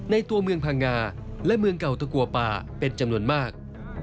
ตัวเมืองพังงาและเมืองเก่าตะกัวป่าเป็นจำนวนมาก